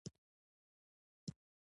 درې بجې وې چې له میوند ښارګوټي تېر شولو.